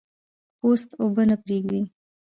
پوست اوبه نه پرېږدي.